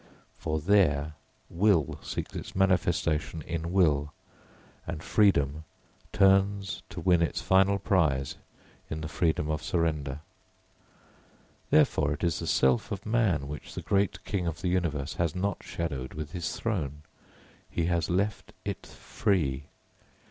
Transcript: For there will seeks its manifestation in will, and freedom turns to win its final prize in the freedom of surrender. Therefore, it is the self of man which the great King of the universe has not shadowed with his throne he has left it free.